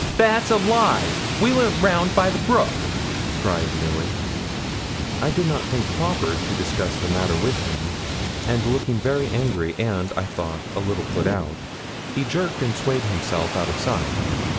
'That's a lie; we went round by the brook,' cried Milly. I did not think proper to discuss the matter with him; and looking very angry, and, I thought, a little put out, he jerked and swayed himself out of sight.